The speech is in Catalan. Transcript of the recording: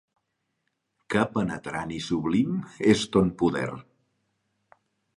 Que penetrant i sublim és ton poder!